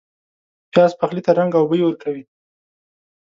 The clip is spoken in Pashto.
پیاز پخلي ته رنګ او بوی ورکوي